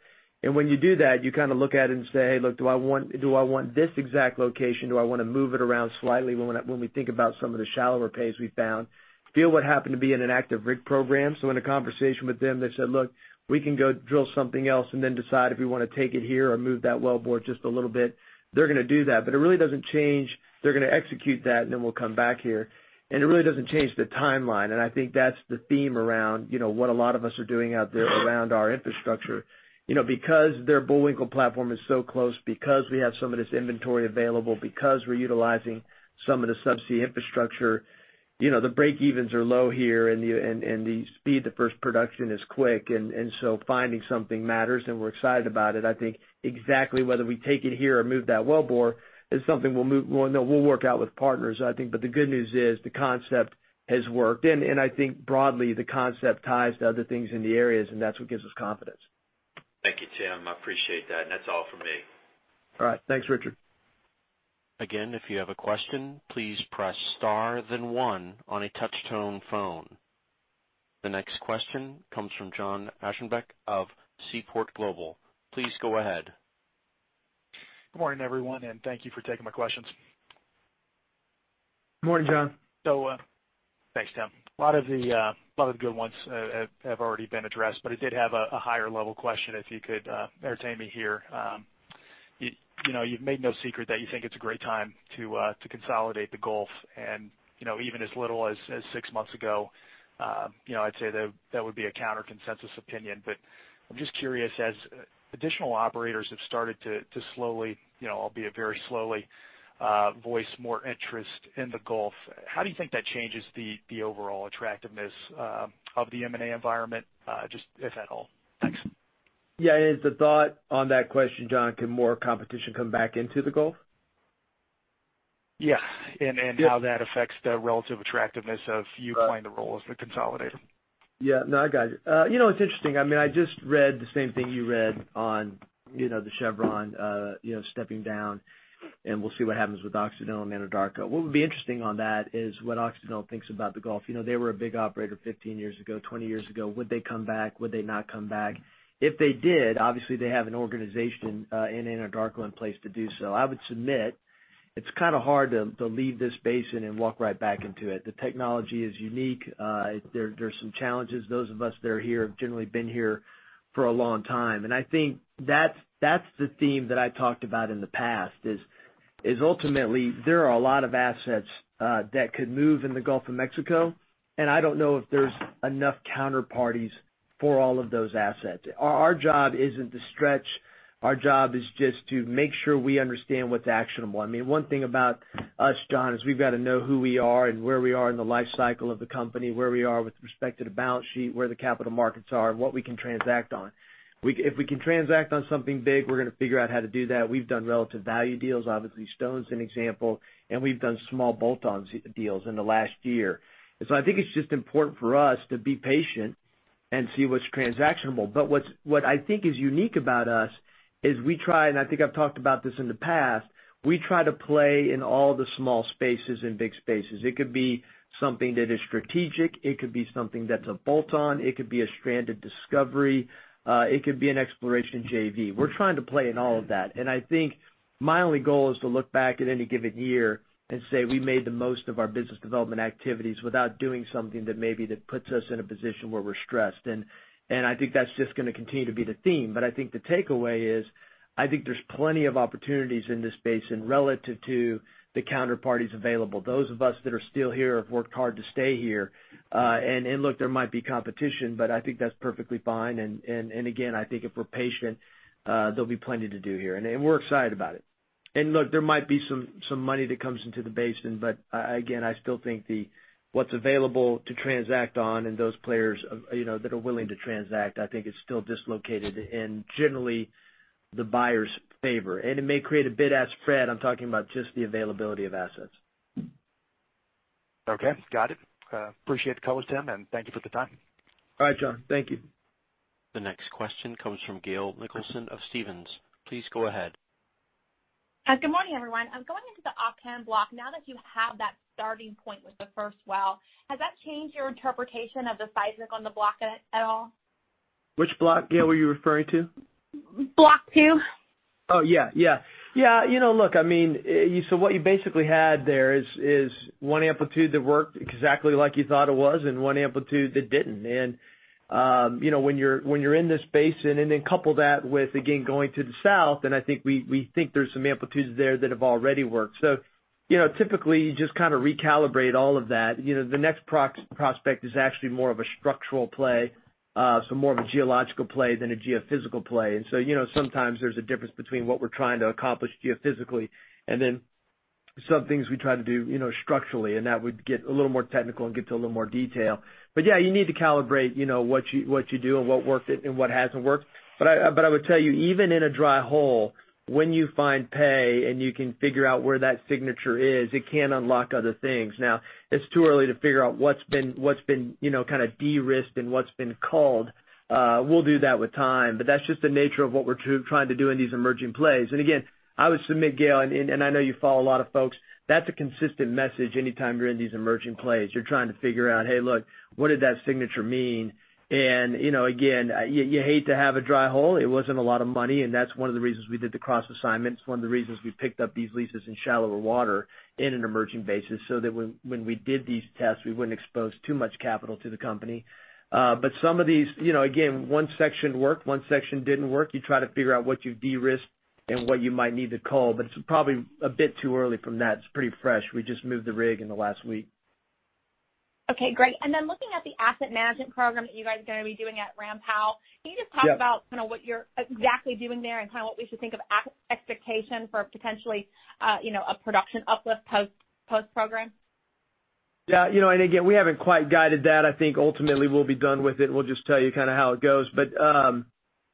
When you do that, you look at it and say, "Look, do I want this exact location? Do I want to move it around slightly when we think about some of the shallower pays we found?" Fieldwood happened to be in an active rig program. In a conversation with them, they said, "Look, we can go drill something else then decide if we want to take it here or move that well bore just a little bit." They're going to do that. They're going to execute that, then we'll come back here. It really doesn't change the timeline. I think that's the theme around what a lot of us are doing out there around our infrastructure. Because their Bullwinkle platform is so close, because we have some of this inventory available, because we're utilizing some of the subsea infrastructure, the breakevens are low here. The speed to first production is quick. Finding something matters. We're excited about it. I think exactly whether we take it here or move that well bore is something we'll work out with partners, I think. The good news is the concept has worked. I think broadly, the concept ties to other things in the areas, and that's what gives us confidence. Thank you, Tim. I appreciate that. That's all from me. All right. Thanks, Richard. Again, if you have a question, please press star then one on a touch-tone phone. The next question comes from John Aschenbeck of Seaport Global. Please go ahead. Good morning, everyone, and thank you for taking my questions. Morning, John. Thanks, Tim. A lot of the good ones have already been addressed. I did have a higher-level question, if you could entertain me here. You've made no secret that you think it's a great time to consolidate the Gulf, and even as little as six months ago, I'd say that would be a counter-consensus opinion. I'm just curious, as additional operators have started to slowly, albeit very slowly, voice more interest in the Gulf, how do you think that changes the overall attractiveness of the M&A environment? Just if at all. Thanks. Yeah. Is the thought on that question, John, can more competition come back into the Gulf? Yes. Yeah. How that affects the relative attractiveness of you playing the role as the consolidator. Yeah, no, I got you. It's interesting. I just read the same thing you read on the Chevron stepping down, and we'll see what happens with Occidental and Anadarko. What would be interesting on that is what Occidental thinks about the Gulf. They were a big operator 15 years ago, 20 years ago. Would they come back? Would they not come back? If they did, obviously, they have an organization in Anadarko in place to do so. I would submit it's kind of hard to leave this basin and walk right back into it. The technology is unique. There's some challenges. Those of us that are here have generally been here for a long time. I think that's the theme that I talked about in the past is ultimately, there are a lot of assets that could move in the Gulf of Mexico, and I don't know if there's enough counterparties for all of those assets. Our job isn't to stretch. Our job is just to make sure we understand what's actionable. One thing about us, John, is we've got to know who we are and where we are in the life cycle of the company, where we are with respect to the balance sheet, where the capital markets are, and what we can transact on. If we can transact on something big, we're going to figure out how to do that. We've done relative value deals. Obviously, Stone's an example, and we've done small bolt-on deals in the last year. I think it's just important for us to be patient and see what's transactionable. What I think is unique about us is we try, and I think I've talked about this in the past, we try to play in all the small spaces and big spaces. It could be something that is strategic. It could be something that's a bolt-on. It could be a stranded discovery. It could be an exploration JV. We're trying to play in all of that. I think my only goal is to look back at any given year and say we made the most of our business development activities without doing something that maybe that puts us in a position where we're stressed. I think that's just going to continue to be the theme. I think the takeaway is, I think there's plenty of opportunities in this basin relative to the counterparties available. Those of us that are still here have worked hard to stay here. Look, there might be competition, but I think that's perfectly fine. Again, I think if we're patient, there'll be plenty to do here. We're excited about it. Look, there might be some money that comes into the basin, but again, I still think what's available to transact on and those players that are willing to transact, I think is still dislocated and generally the buyers favor. It may create a bid-ask spread. I'm talking about just the availability of assets. Okay. Got it. Appreciate the call, Tim, thank you for the time. All right, John. Thank you. The next question comes from Gail Nicholson of Stephens. Please go ahead. Good morning, everyone. Going into the [Offham block], now that you have that starting point with the first well, has that changed your interpretation of the seismic on the block at all? Which block, Gail, were you referring to? Block two. Oh, yeah. Look, what you basically had there is one amplitude that worked exactly like you thought it was and one amplitude that didn't. When you're in this basin, couple that with, again, going to the south, I think we think there's some amplitudes there that have already worked. Typically, you just kind of recalibrate all of that. The next prospect is actually more of a structural play, so more of a geological play than a geophysical play. Sometimes there's a difference between what we're trying to accomplish geophysically. Some things we try to do structurally, and that would get a little more technical and get to a little more detail. Yeah, you need to calibrate what you do and what worked and what hasn't worked. I would tell you, even in a dry hole, when you find pay and you can figure out where that signature is, it can unlock other things. It's too early to figure out what's been kind of de-risked and what's been culled. We'll do that with time, but that's just the nature of what we're trying to do in these emerging plays. I would submit, Gail Nicholson, and I know you follow a lot of folks, that's a consistent message anytime you're in these emerging plays. You're trying to figure out, hey, look, what did that signature mean? You hate to have a dry hole. It wasn't a lot of money, and that's one of the reasons we did the cross assignments, one of the reasons we picked up these leases in shallower water in an emerging basin, so that when we did these tests, we wouldn't expose too much capital to the company. Some of these, again, one section worked, one section didn't work. You try to figure out what you've de-risked and what you might need to cull, but it's probably a bit too early from that. It's pretty fresh. We just moved the rig in the last week. Okay, great. Looking at the asset management program that you guys are going to be doing at Ram Powell. Yeah. Can you just talk about what you're exactly doing there and what we should think of expectation for potentially a production uplift post-program? Yeah. Again, we haven't quite guided that. I think ultimately we'll be done with it, and we'll just tell you how it goes.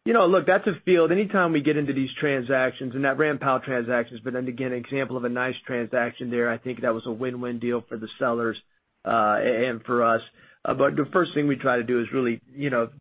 Look, that's a field. Anytime we get into these transactions, and that Ram Powell transaction's been, again, an example of a nice transaction there. I think that was a win-win deal for the sellers and for us. The first thing we try to do is really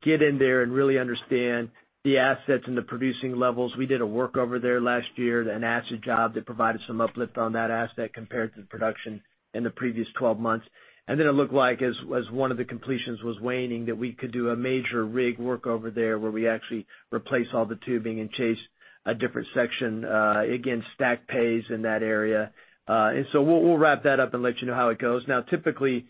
get in there and really understand the assets and the producing levels. We did a workover there last year, an asset job that provided some uplift on that asset compared to the production in the previous 12 months. Then it looked like as one of the completions was waning, that we could do a major rig workover there, where we actually replace all the tubing and chase a different section. Again, stack pays in that area. We'll wrap that up and let you know how it goes. Now, typically,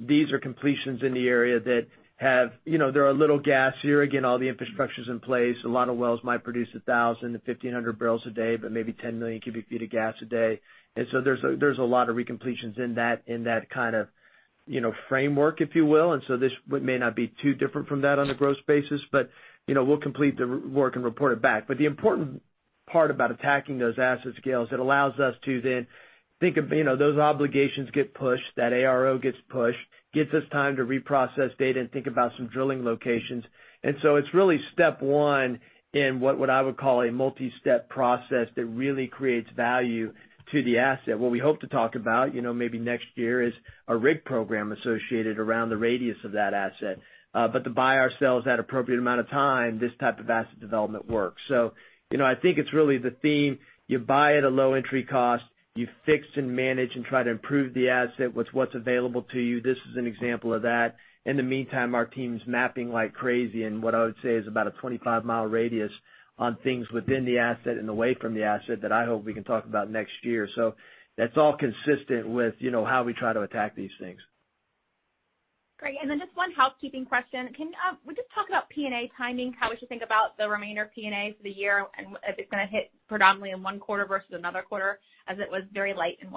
these are completions in the area that have. There are little gas here. Again, all the infrastructure's in place. A lot of wells might produce 1,000 to 1,500 barrels a day, but maybe 10 million cubic feet of gas a day. There's a lot of recompletions in that kind of framework, if you will. This may not be too different from that on a gross basis, but we'll complete the work and report it back. The important part about attacking those assets, Gail, is it allows us to then think of those obligations get pushed, that ARO gets pushed, gives us time to reprocess data and think about some drilling locations. It's really step 1 in what I would call a multi-step process that really creates value to the asset. What we hope to talk about, maybe next year, is a rig program associated around the radius of that asset. To buy ourselves that appropriate amount of time, this type of asset development works. I think it's really the theme. You buy at a low entry cost, you fix and manage and try to improve the asset with what's available to you. This is an example of that. In the meantime, our team's mapping like crazy in what I would say is about a 25-mile radius on things within the asset and away from the asset that I hope we can talk about next year. That's all consistent with how we try to attack these things. Great. Then just one housekeeping question. Can you just talk about P&A timing, how we should think about the remainder of P&A for the year, and if it's going to hit predominantly in one quarter versus another quarter, as it was very light in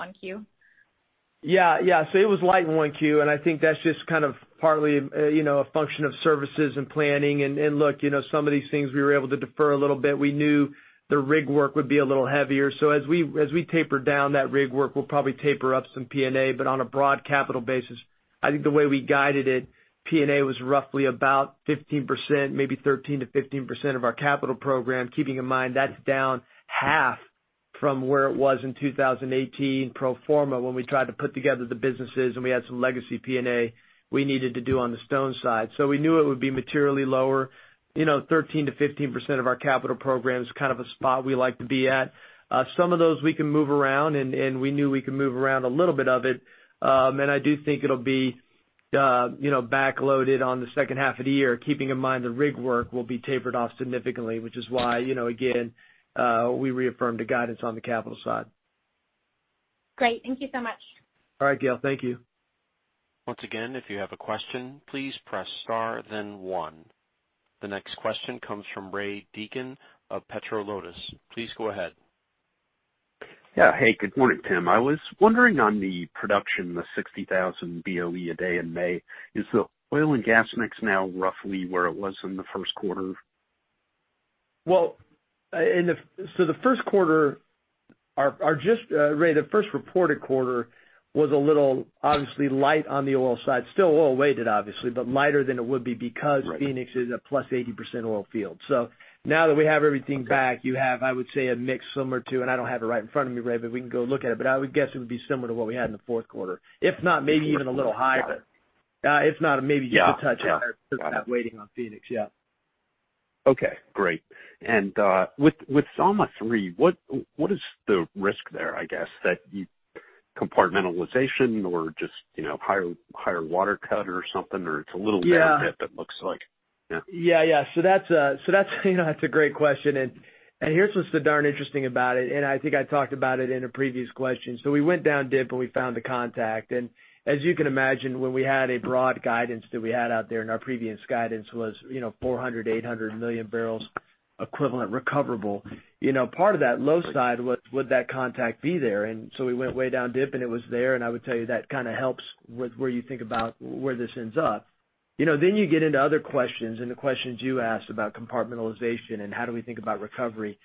1Q? It was light in 1Q, and I think that's just kind of partly a function of services and planning. Look, some of these things we were able to defer a little bit. We knew the rig work would be a little heavier. As we taper down that rig work, we'll probably taper up some P&A. On a broad capital basis, I think the way we guided it, P&A was roughly about 15%, maybe 13%-15% of our capital program, keeping in mind that's down half from where it was in 2018 pro forma, when we tried to put together the businesses, and we had some legacy P&A we needed to do on the Stone Energy side. We knew it would be materially lower. 13%-15% of our capital program is kind of a spot we like to be at. Some of those we can move around, and we knew we could move around a little bit of it. I do think it'll be back-loaded on the second half of the year, keeping in mind the rig work will be tapered off significantly, which is why, again, we reaffirmed a guidance on the capital side. Great. Thank you so much. All right, Gail. Thank you. Once again, if you have a question, please press star then one. The next question comes from Raymond Deacon of PetroLotus. Please go ahead. Yeah. Hey, good morning, Tim. I was wondering on the production, the 60,000 BOE a day in May. Is the oil and gas mix now roughly where it was in the first quarter? Well, Ray, the first reported quarter was a little, obviously, light on the oil side. Still oil-weighted, obviously, but lighter than it would be because Phoenix is a plus 80% oil field. Now that we have everything back, you have, I would say, a mix similar to, and I don't have it right in front of me, Ray, but we can go look at it, but I would guess it would be similar to what we had in the fourth quarter. If not, maybe even a little higher. If not, maybe just a touch higher because of that weighting on Phoenix, yeah. Okay, great. With Zama-3, what is the risk there, I guess? That compartmentalization or just higher water cut or something, or it's a little down dip it looks like? Yeah. That's a great question. Here's what's the darn interesting about it, and I think I talked about it in a previous question. We went down dip, and we found the contact. As you can imagine, when we had a broad guidance that we had out there, our previous guidance was 400 million-800 million barrels equivalent recoverable. Part of that low side, would that contact be there? We went way down dip, and it was there, and I would tell you that kind of helps with where you think about where this ends up. You get into other questions and the questions you asked about compartmentalization and how do we think about recovery.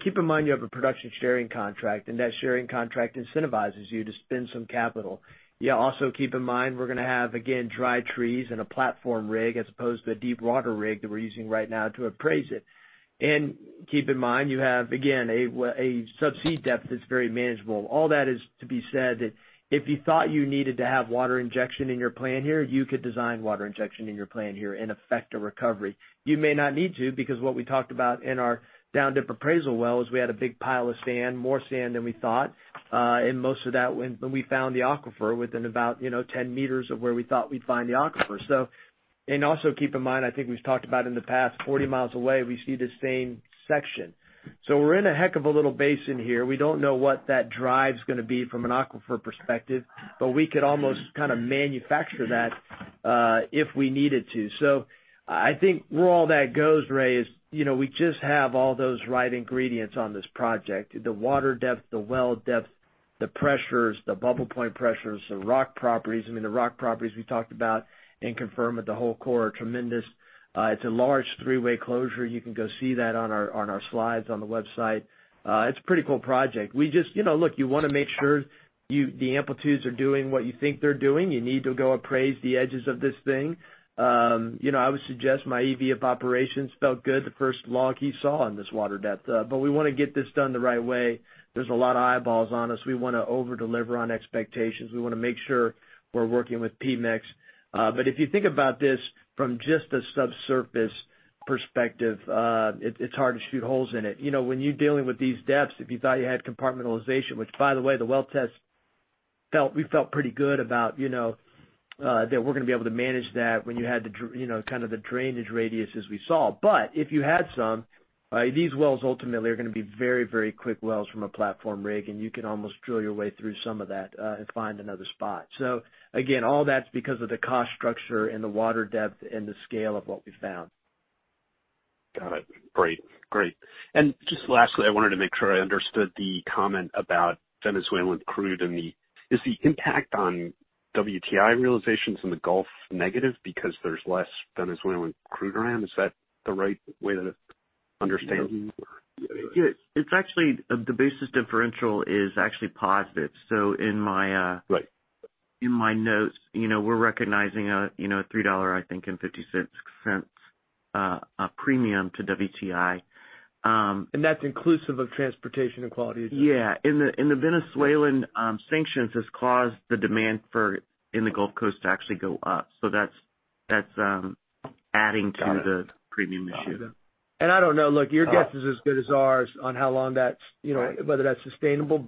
Keep in mind, you have a production sharing contract, and that sharing contract incentivizes you to spend some capital. You also keep in mind we're going to have, again, dry trees and a platform rig as opposed to a deepwater rig that we're using right now to appraise it. Keep in mind, you have, again, a subsea depth that's very manageable. All that is to be said, that if you thought you needed to have water injection in your plan here, you could design water injection in your plan here and affect a recovery. You may not need to, because what we talked about in our down-dip appraisal well is we had a big pile of sand, more sand than we thought, and most of that when we found the aquifer within about 10 meters of where we thought we'd find the aquifer. Also keep in mind, I think we've talked about in the past, 40 miles away, we see the same section. We're in a heck of a little basin here. We don't know what that drive's going to be from an aquifer perspective, but we could almost kind of manufacture that if we needed to. I think where all that goes, Ray, is we just have all those right ingredients on this project. The water depth, the well depth, the pressures, the bubble point pressures, the rock properties. I mean, the rock properties we talked about and confirmed that the whole core are tremendous. It's a large three-way closure. You can go see that on our slides on the website. It's a pretty cool project. Look, you want to make sure the amplitudes are doing what you think they're doing. You need to go appraise the edges of this thing. I would suggest my EVP of Operations felt good the first log he saw in this water depth. We want to get this done the right way. There's a lot of eyeballs on us. We want to over-deliver on expectations. We want to make sure we're working with Pemex. If you think about this from just a subsurface perspective, it's hard to shoot holes in it. When you're dealing with these depths, if you thought you had compartmentalization, which by the way, the well test, we felt pretty good about that we're going to be able to manage that when you had the kind of the drainage radius as we saw. If you had some, these wells ultimately are going to be very quick wells from a platform rig, and you can almost drill your way through some of that and find another spot. Again, all that's because of the cost structure and the water depth and the scale of what we found. Got it. Great. Just lastly, I wanted to make sure I understood the comment about Venezuelan crude and the Is the impact on WTI realizations in the Gulf negative because there's less Venezuelan crude around? Is that the right way to understand? It's actually, the basis differential is actually positive. Right In my notes, we're recognizing a $3.50, I think, premium to WTI. That's inclusive of transportation and quality as well? Yeah. The Venezuelan sanctions has caused the demand in the Gulf Coast to actually go up. That's adding to the premium issue. Got it. I don't know. Look, your guess is as good as ours on how long that's- Right Whether that's sustainable.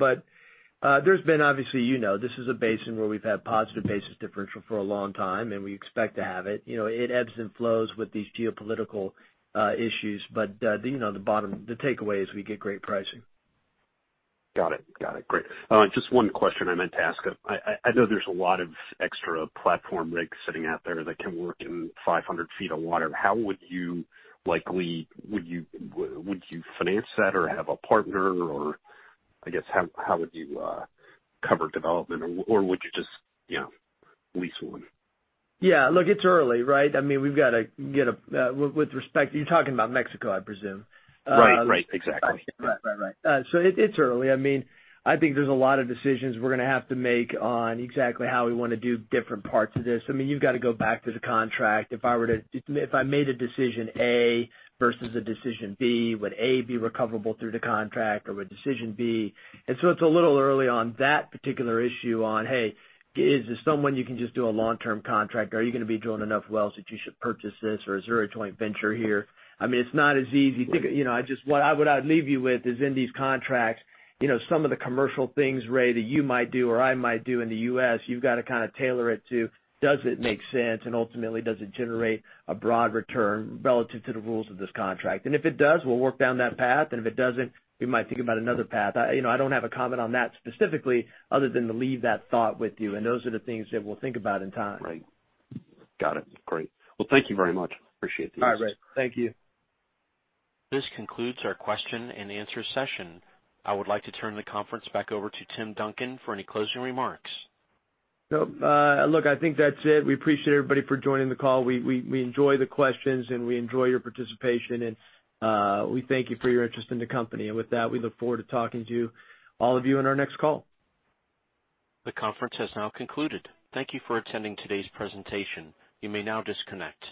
There's been obviously, you know, this is a basin where we've had positive basis differential for a long time, and we expect to have it. It ebbs and flows with these geopolitical issues. The takeaway is we get great pricing. Got it. Great. Just one question I meant to ask. I know there's a lot of extra platform rigs sitting out there that can work in 500 feet of water. How would you likely finance that or have a partner or, I guess, how would you cover development? Or would you just lease one? Yeah. Look, it's early, right? I mean, With respect, you're talking about Mexico, I presume. Right. Exactly. Right. It's early. I think there's a lot of decisions we're going to have to make on exactly how we want to do different parts of this. You've got to go back to the contract. If I made a decision A versus a decision B, would A be recoverable through the contract or would decision B? It's a little early on that particular issue on, hey, is this someone you can just do a long-term contract? Are you going to be drilling enough wells that you should purchase this? Or is there a joint venture here? I mean, it's not as easy. Right. What I would leave you with is in these contracts, some of the commercial things, Ray, that you might do or I might do in the U.S., you've got to tailor it to, does it make sense? Ultimately, does it generate a broad return relative to the rules of this contract? If it does, we'll work down that path. If it doesn't, we might think about another path. I don't have a comment on that specifically other than to leave that thought with you. Those are the things that we'll think about in time. Right. Got it. Great. Well, thank you very much. Appreciate the answer. All right, Ray. Thank you. This concludes our question and answer session. I would like to turn the conference back over to Tim Duncan for any closing remarks. Look, I think that's it. We appreciate everybody for joining the call. We enjoy the questions, and we enjoy your participation, and we thank you for your interest in the company. With that, we look forward to talking to all of you in our next call. The conference has now concluded. Thank you for attending today's presentation. You may now disconnect.